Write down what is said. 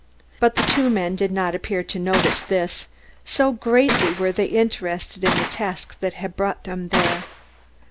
But the two men did not appear to notice this, so greatly were they interested in the task that had brought them there.